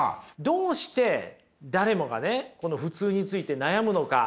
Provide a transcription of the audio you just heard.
どうして誰もがねこの普通について悩むのか。